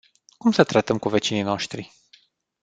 Cum să tratăm cu vecinii noștri?